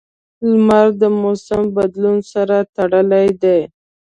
• لمر د موسم بدلون سره تړلی دی.